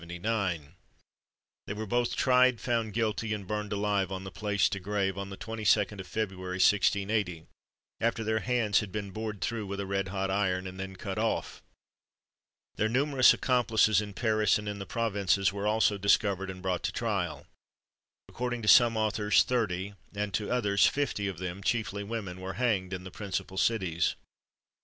They were both tried, found guilty, and burned alive on the Place de Grève, on the 22d of February, 1680, after their hands had been bored through with a red hot iron, and then cut off. Their numerous accomplices in Paris and in the provinces were also discovered and brought to trial. According to some authors, thirty, and to others, fifty of them, chiefly women, were hanged in the principal cities.